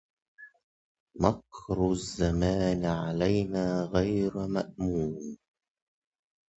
مكر الزمان علينا غير مأمون